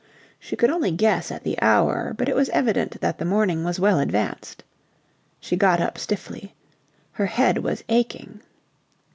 She could only guess at the hour, but it was evident that the morning was well advanced. She got up stiffly. Her head was aching.